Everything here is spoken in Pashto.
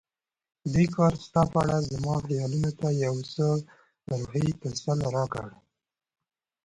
دې کار ستا په اړه زما خیالونو ته یو څه روحي تسل راکړ.